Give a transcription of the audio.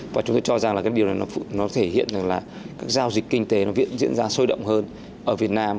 và chúng tôi cho rằng là cái điều này nó thể hiện rằng là các giao dịch kinh tế nó diễn ra sôi động hơn ở việt nam